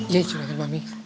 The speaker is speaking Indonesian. ya curahkan mami